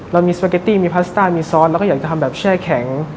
เรามีสปาเกตตี้มีพาสต้ามีซอสเราก็อยากจะทำแบบแช่แข็ง